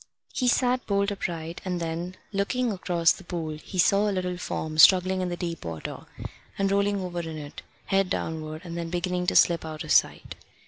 He sat bolt upright, and then, looking across the pool, he saw a little form struggling in the deep water, and rolling over in it, head downward, and then beginning to slip out of sight.